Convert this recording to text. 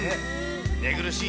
寝苦しい